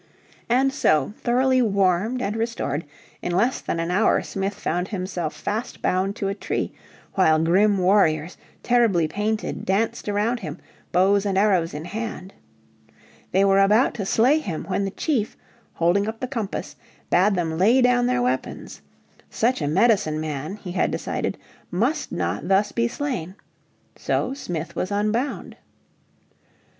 And so, thoroughly warmed and restored, in less than an hour Smith found himself fast bound to a tree, while grim warriors, terribly painted, danced around him, bows and arrows in hand. They were about to slay him when the chief, holding up the compass, bade them lay down their weapons. Such a medicine man, he had decided, must not thus be slain. So Smith was unbound.